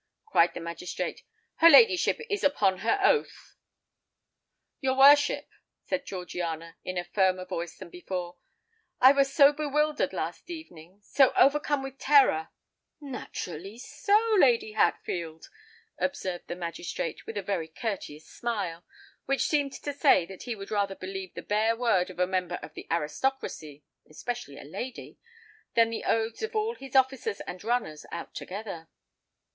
cried the magistrate: "her ladyship is upon her oath." "Your worship," said Georgiana, in a firmer voice than before, "I was so bewildered last evening—so overcome with terror——" "Naturally so, Lady Hatfield," observed the magistrate, with a very courteous smile, which seemed to say that he would rather believe the bare word of a member of the aristocracy—especially a lady—than the oaths of all his officers and runners out together.